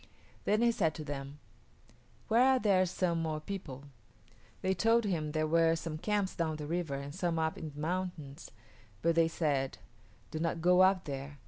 Then he said to them, "Where are there some more people?" They told him there were some camps down the river and some up in the mountains, but they said, "Do not go up there.